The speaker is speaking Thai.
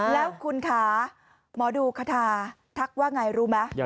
แล้วคุณคะหมอดูคาทาทักว่าไงรู้ไหม